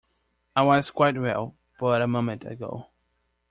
I was quite well but a moment ago.